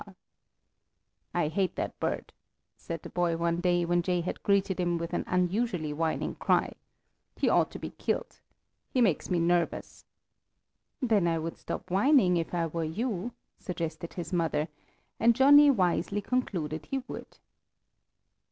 "I hate that bird," said the boy one day, when Jay had greeted him with an unusually whining cry: "He ought to be killed. He makes me nervous." "Then I would stop whining if I were you," suggested his mother, and Johnny wisely concluded he would.